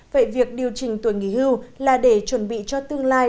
vậy việc điều chỉnh tuổi nghỉ hưu là để chuẩn bị cho tương lai